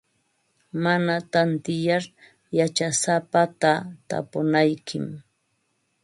Mana tantiyar yachasapata tapunaykim.